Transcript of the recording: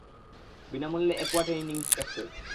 বিনামূল্যে aqua training access.